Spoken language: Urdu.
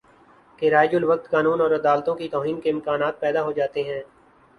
کہ رائج الوقت قانون اور عدالتوں کی توہین کے امکانات پیدا ہو جاتے ہیں